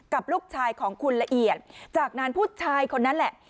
กับลูกชายของคุณละเอียดจากนั้นผู้ชายคนนั้นแหละ